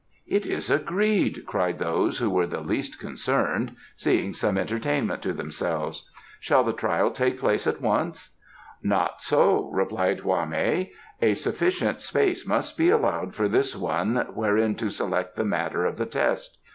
"It is agreed!" cried those who were the least concerned, seeing some entertainment to themselves. "Shall the trial take place at once?" "Not so," replied Hwa mei. "A sufficient space must be allowed for this one wherein to select the matter of the test.